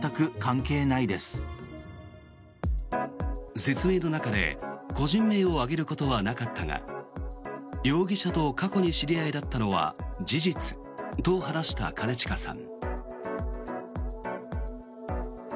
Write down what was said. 説明の中で個人名を挙げることはなかったが容疑者と過去に知り合いだったのは事実と話した兼近さん。